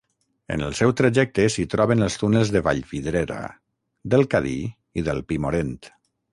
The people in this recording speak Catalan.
En el seu trajecte s'hi troben els túnels de Vallvidrera, del Cadí i del Pimorent.